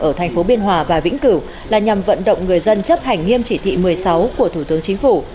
ở thành phố biên hòa và vĩnh cửu là nhằm vận động người dân chấp hành nghiêm chỉ thị một mươi sáu của thủ tướng chính phủ